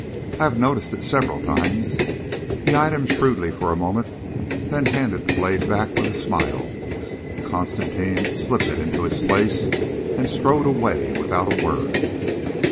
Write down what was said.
I have noticed it several times." He eyed him shrewdly for a moment, then handed the blade back with a smile. Constantine slipped it into its place, and strode away without a word.